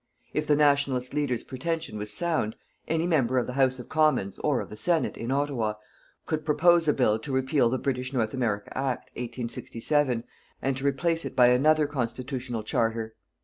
If the Nationalist leader's pretention was sound, any member of the House of Commons, or of the Senate, in Ottawa, could propose a bill to repeal the British North America Act, 1867, and to replace it by another constitutional charter.